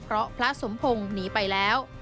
เพราะพระสมพงศ์หนีไปแล้ว